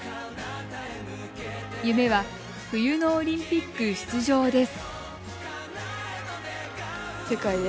夢は冬のオリンピック出場です。